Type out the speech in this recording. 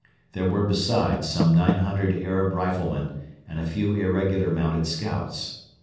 There were besides some 900 Arab riflemen and a few irregular mounted scouts.